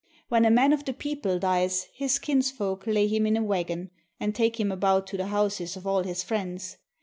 When a man of the people dies his kinsfolk lay him in a wagon, and take him about to the houses of all his friends.